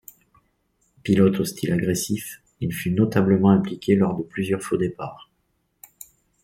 Pilote au style agressif, il fut notablement impliqué lors de plusieurs faux départs.